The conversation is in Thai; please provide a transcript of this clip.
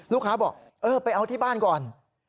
ลูกค้าบอกเออไปเอาที่บ้านก่อน